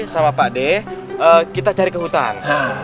sama pak d kita cari ke hutan